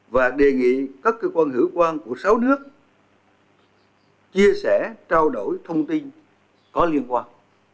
và đề nghị các cơ quan hữu quan của sáu nước chia sẻ trao đổi thông tin có liên quan